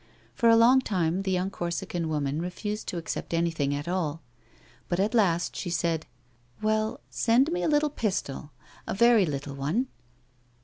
For a long time the young Corsican woman refused to accept anything at all, but at last she said :" Well, send me a little pistol, a very little one."